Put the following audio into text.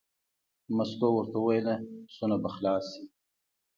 مستو ورته وویل: پسونه به خلاص شي.